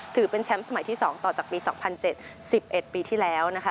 ถือเป็นแชมป์สมัยที่๒ต่อจากปี๒๐๗๑ปีที่แล้วนะคะ